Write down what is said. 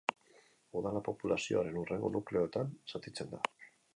Udala populazioaren hurrengo nukleoetan zatitzen da.